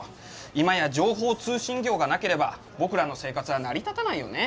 今や情報通信業がなければ僕らの生活は成り立たないよね。